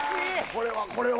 これはこれは・